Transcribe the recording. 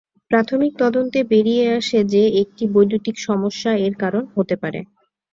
প্রাথমিক তদন্তে বেরিয়ে আসে যে একটি বৈদ্যুতিক সমস্যা এর কারণ হতে পারে।